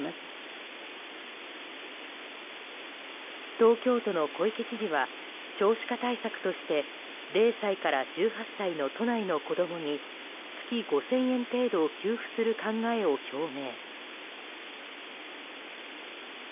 東京都の小池知事は少子化対策として０歳から１８歳の都内の子供に月５０００円程度を給付する考えを表明。